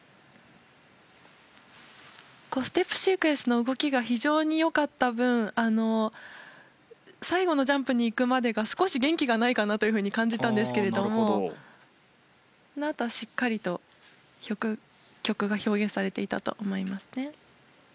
ステップシークエンスの動きが非常に良かった分最後のジャンプに行くまでが少し元気がないかなと感じたんですけれどもそのあとはしっかり曲が表現されていたと思いますね。